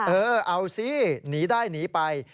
เออเอาสิหนีได้หนีไป